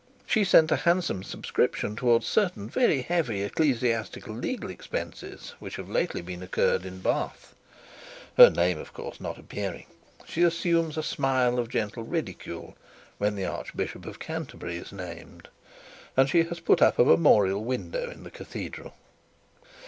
She sent a handsome subscription towards certain very heavy legal expenses which have lately been incurred in Bath, her name of course not appearing; she assumes a smile of gentle ridicule when the Archbishop of Canterbury is named, and she has put up a memorial window in the cathedral.